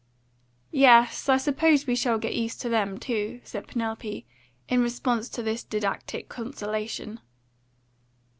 "Yes, I suppose we shall get used to them too," said Penelope, in response to this didactic consolation.